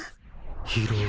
拾う。